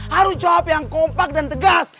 harus jawab yang kompak dan tegas